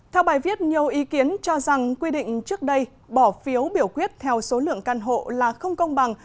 theo bài viết nhiều ý kiến cho rằng quy định trước đây bỏ phiếu biểu quyết theo số lượng căn hộ là không công bằng